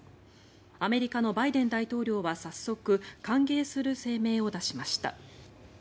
アメリカのバイデン大統領は早速歓迎する声明を出しました。